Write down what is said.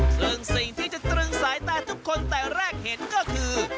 ซึ่งสิ่งที่จะตรึงสายตาทุกคนแต่แรกเห็นก็คือ